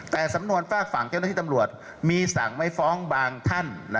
แต่สำนวนฝากฝั่งเจ้าหน้าที่ตำรวจมีสั่งไม่ฟ้องบางท่าน